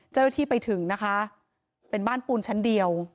เจ้าหน้าที่ไปถึงนะคะเป็นบ้านปูนชั้นเดียว